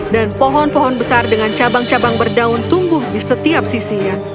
dan pohon pohon besar dengan cabang cabang berdaun tumbuh di setiap sisinya